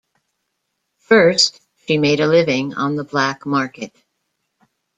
First, she made a living on the black market.